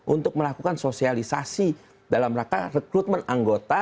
untuk melakukan sosialisasi dalam rangka rekrutmen anggota